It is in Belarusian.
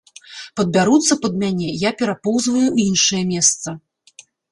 Падбяруцца пад мяне, я перапоўзваю ў іншае месца.